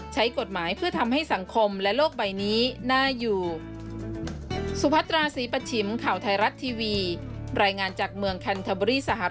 ใช้กฎหมายเพื่อทำให้สังคมและโลกใบนี้น่าอยู่